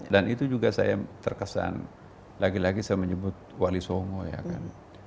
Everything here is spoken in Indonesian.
dan itu juga saya terkesan lagi lagi saya menyebut wali songo ya kan